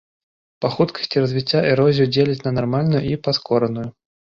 Па хуткасці развіцця эрозію дзеляць на нармальную і паскораную.